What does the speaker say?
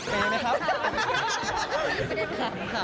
เปย์ไหมครับ